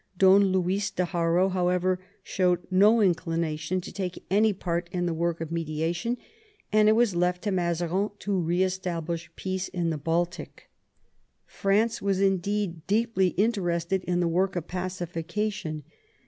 Don Luis de Haro, how ever, showed no inclination to take any part in the work of mediation, and it was left to Mazarin to re establish peace in the Baltic. France was indeed deeply interested in the work of pacification.